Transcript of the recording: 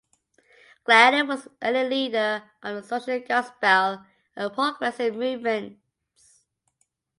Gladden was an early leader of the Social Gospel and Progressive movements.